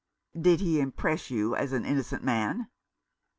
" Did he impress you as an innocent man